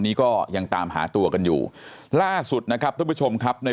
นี้ก็ยังตามหาตัวกันอยู่ล่าสุดนะครับทุกผู้ชมครับใน